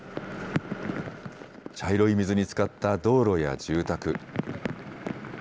茶色い水につかった道路や住宅。